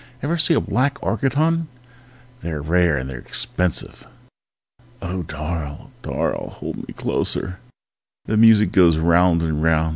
Ever see a black orchid, hon? They're rare and they're expensive!_ _Oh, darl, darl, hold me closer! The music goes round and round!